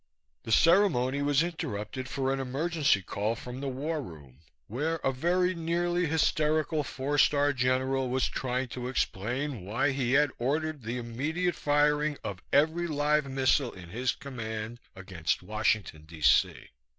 The ceremony was interrupted for an emergency call from the War Room, where a very nearly hysterical four star general was trying to explain why he had ordered the immediate firing of every live missile in his command against Washington, D. C.